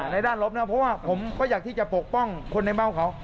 ด้านลบนะเพราะว่าผมก็อยากที่จะปกป้องคนในบ้านเขา